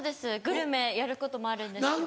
グルメやることもあるんですけど。